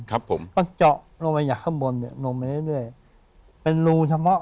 ครับผมก็เจาะลงไปอย่างข้างบนเนี่ยลงไปได้ด้วยเป็นรูเฉพาะ